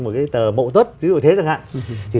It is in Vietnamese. một cái tờ mậu tuất ví dụ như thế